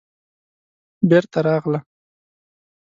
بېرته راغله.